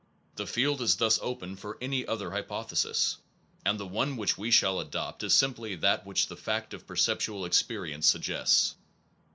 The field is thus open for any other hypothesis; and the one which we shall adopt is simply that which the face of per ceptual experience suggests.